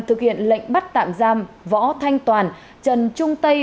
thực hiện lệnh bắt tạm giam võ thanh toàn trần trung tây